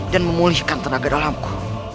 dan memulihkan tenaga dalamku